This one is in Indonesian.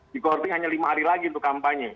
dikoording hanya lima hari lagi untuk kampanye